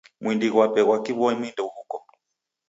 Mwindi ghwape ghwa kiw'omi ndoghuko.